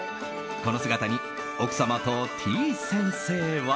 この姿に奥様と、てぃ先生は。